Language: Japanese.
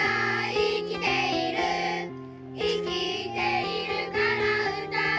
「生きているから歌うんだ」